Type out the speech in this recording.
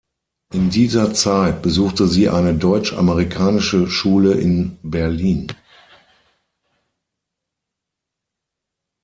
In dieser Zeit besuchte sie eine deutsch-amerikanische Schule in Berlin.